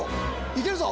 いけるぞ！